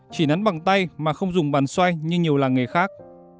chỉ nắn bằng tay mà không dùng bàn xoay như nhiều làng nghề khác